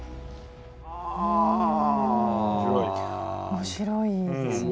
面白いですね。